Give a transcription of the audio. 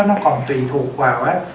nó còn tùy thuộc vào á